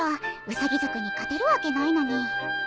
ウサギ族に勝てるわけないのに。